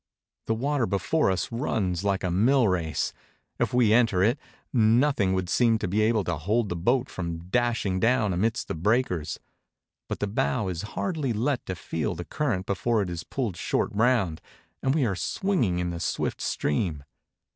The water before us runs like a millrace. If we enter it, nothing would seem to be able to hold the boat from dashing down amidst the breakers. But the bow is hardly let to feel the current before it is pulled short round, and we are swinging in the swift stream.